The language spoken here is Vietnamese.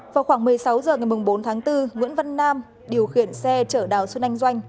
vào khoảng một mươi sáu h ngày bốn tháng bốn nguyễn văn nam điều khiển xe chở đào xuân anh doanh